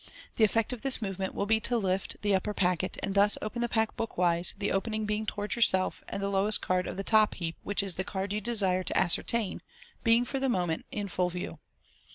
The effect of this movement will be to lift the upper packet, and thus open the pack bookwise, the opening being towards yourself, and the lowest card of the top heap, which is the card you desire to ascertain, being for the moment in full view.